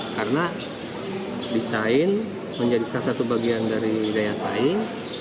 karena desain menjadi salah satu bagian dari daya saing